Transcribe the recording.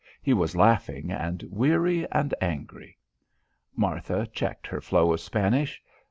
He was laughing and weary and angry. Martha checked her flow of Spanish.